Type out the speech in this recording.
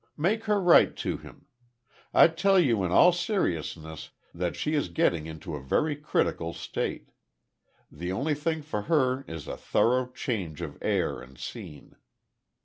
Make her write to him. I tell you in all seriousness that she is getting into a very critical state. The only thing for her is a thorough change of air and scene.